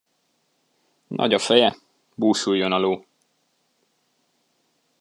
Nagy a feje, búsuljon a ló.